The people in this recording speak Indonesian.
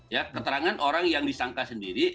ya keterangan orang yang disangka sendiri